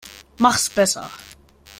Mach's besser.